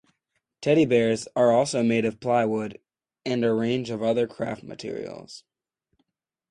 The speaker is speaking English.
Teddy bears are also made of plywood and a range of other craft materials.